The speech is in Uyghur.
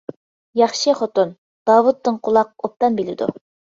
ياخشى خوتۇن؟ داۋۇت دىڭ قۇلاق ئوبدان بىلىدۇ.